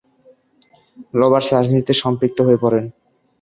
Roberts রাজনীতিতে সম্পৃক্ত হয়ে পড়েন।